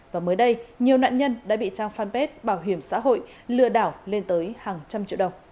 và mới đây nhiều nạn nhân đã bị trang fanpage bảo hiểm xã hội lừa đảo lên tới hàng trăm triệu đồng